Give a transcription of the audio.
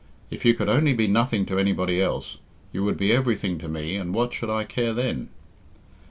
If you could only be nothing to anybody else! You would be everything to me, and what should I care then?"